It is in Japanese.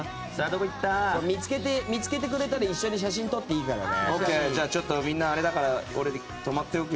見つけてくれたら写真撮っていいからね。